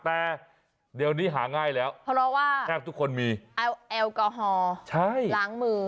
แต่เดี๋ยวนี้หาง่ายแล้วเพราะว่าแทบทุกคนมีแอลกอฮอล์ล้างมือ